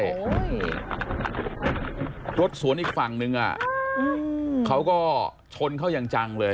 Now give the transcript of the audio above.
โอ้โหรถสวนอีกฝั่งนึงอ่ะเขาก็ชนเขาอย่างจังเลย